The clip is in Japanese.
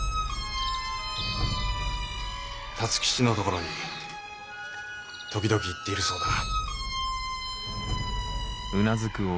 辰吉のところに時々行っているそうだな？